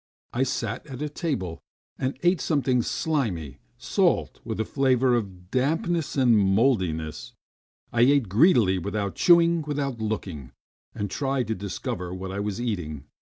I sat at a table and ate something slimy, salt with a flavour of dampness and mouldiness. I ate greedily without chewing, without looking and trying to discover what I was eating.